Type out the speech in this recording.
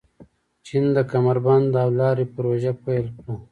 چین د کمربند او لارې پروژه پیل کړه.